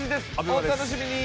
お楽しみに。